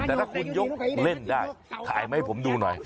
แต่ถ้าคุณยกเล่นได้ถ่ายมาให้ผมดูหน่อย